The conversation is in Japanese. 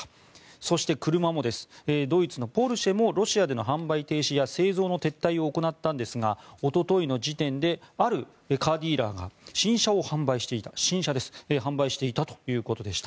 そして、車のドイツのポルシェはロシアでの販売停止や製造の撤退を行ったんですがおとといの時点であるカーディーラーが新車を販売していたということでした。